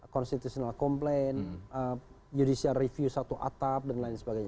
constitutional complain judicial review satu atap dan lain sebagainya